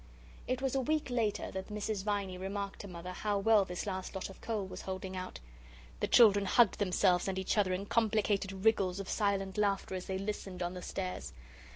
It was a week later that Mrs. Viney remarked to Mother how well this last lot of coal was holding out. The children hugged themselves and each other in complicated wriggles of silent laughter as they listened on the stairs.